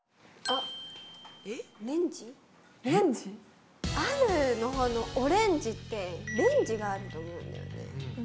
「ある」のほうの「オレンジ」って「レンジ」があると思うんだよね。